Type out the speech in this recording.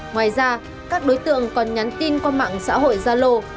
ngoài ra các đối tượng còn nhắn tin qua mạng xã hội gia lô